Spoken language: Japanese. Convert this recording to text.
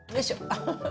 アハハ。